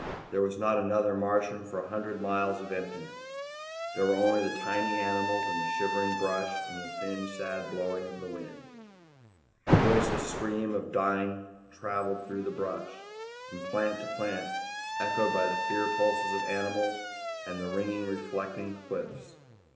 There was not another Martian for a hundred miles of emptiness. There were only the tiny animals and the shivering brush and the thin, sad blowing of the wind. The voiceless scream of dying traveled through the brush, from plant to plant, echoed by the fear pulses of the animals and the ringingly reflecting cliffs.